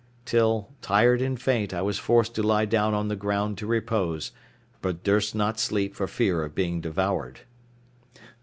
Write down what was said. till, tired and faint, I was forced to lie down on the ground to repose, but durst not sleep for fear of being devoured."